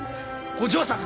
お嬢さん！